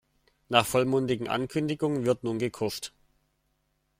Nach vollmundigen Ankündigungen wird nun gekuscht.